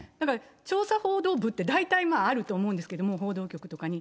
調査報道部って大体あると思うんですけども、報道局とかに。